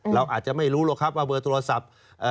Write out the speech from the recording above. เราอาจจะไม่รู้หรอกครับว่าเบอร์โทรศัพท์